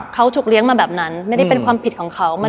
เขาถูกเลี้ยงมาแบบนั้นไม่ได้เป็นความผิดของเขา